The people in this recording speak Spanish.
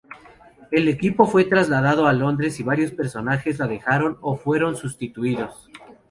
El equipo fue trasladado a Londres y varios personajes la dejaron o fueron sustituidos.